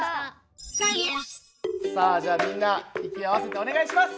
さあじゃあみんな息を合わせてお願いします！